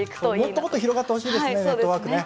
もっともっと広がってほしいですねネットワークね。